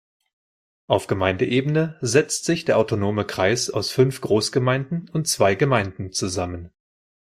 Auf Gemeindeebene setzt sich der autonome Kreis aus fünf Großgemeinden und zwei Gemeinden zusammen.